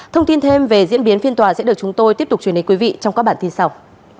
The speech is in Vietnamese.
thông tin thêm về diễn biến phiên tòa sẽ được chúng tôi tiếp tục truyền đến quý vị trong các bản tin sau